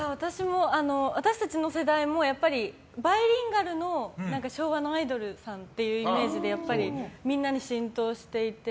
私たちの世代もバイリンガルの昭和のアイドルさんっていうイメージでみんなに浸透していて。